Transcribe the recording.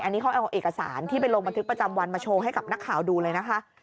อันนี้เขาเอาเอกสารที่ไปลงบันทึกประจำวันมาโชว์ให้กับนักข่าวดูเลยนะคะ